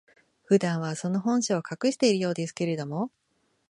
普段は、その本性を隠しているようですけれども、